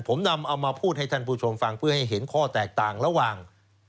ผมนำเอามาพูดให้ท่านผู้ชมฟังเพื่อให้เห็นข้อแตกต่างระหว่าง